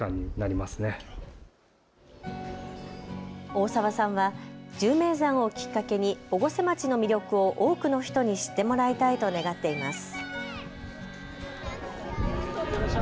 大沢さんは１０名山をきっかけに越生町の魅力を多くの人に知ってもらいたいと願っています。